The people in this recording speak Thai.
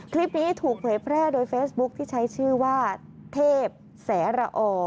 คลิปนี้ถูกเผยแพร่โดยเฟซบุ๊คที่ใช้ชื่อว่าเทพแสระอ